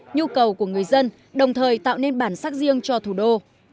nhu cầu của người dân đồng thời tạo nên bản sắc riêng cho thủ đô